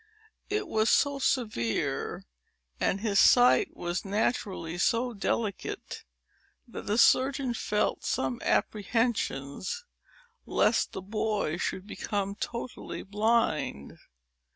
It was so severe, and his sight was naturally so delicate, that the surgeon felt some apprehensions lest the boy should become totally blind.